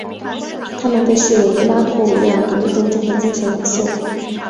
他们被视为拉脱维亚独立斗争的精神领袖。